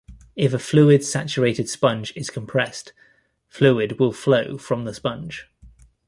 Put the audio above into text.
If a fluid- saturated sponge is compressed, fluid will flow from the sponge.